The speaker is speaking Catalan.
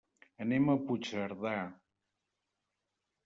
Anem a Puigcerdà.